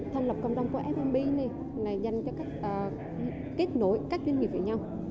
thành lập cộng đồng của f d này là dành cho cách kết nối các doanh nghiệp với nhau